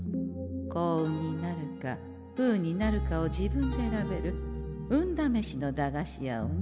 幸運になるか不運になるかを自分で選べる運だめしの駄菓子屋をね。